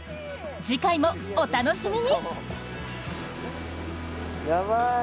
次回もお楽しみに。